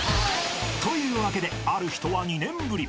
［というわけである人は２年ぶり］